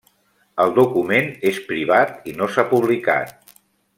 El document és privat i no s'ha publicat.